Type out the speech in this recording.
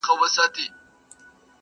شپه او ورځ به په رنځور پوري حیران وه!!